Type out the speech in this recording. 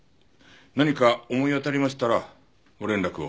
何か思い当たりましたらご連絡を。